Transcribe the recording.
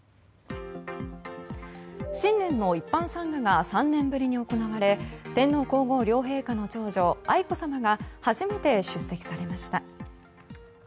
新年の一般参賀が３年ぶりに行われ天皇・皇后両陛下の長女愛子さまが初めて出席されました。